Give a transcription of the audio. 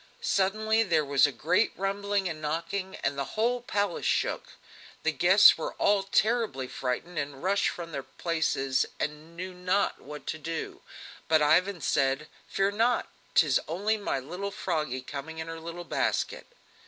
Suddenly there was a great rumbling and knocking, the whole palace shook. The guests were all terribly frightened and rushed from their places, and knew not what to do; but Ivan said: "Fear not, 'tis only my little Froggy coming in her little basket!"